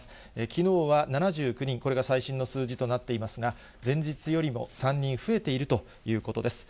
きのうは７９人、これが最新の数字となっていますが、前日よりも３人増えているということです。